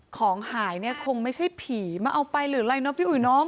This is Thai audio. ของหายเนี่ยคงไม่ใช่ผีมาเอาไปหรืออะไรเนาะพี่อุ๋ยน้อง